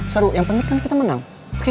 seru yang penting kan kita menang